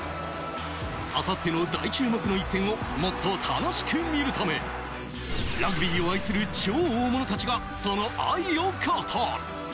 あさっての大注目の一戦をもっと楽しく見るため、ラグビーを愛する超大物たちがその愛を語る。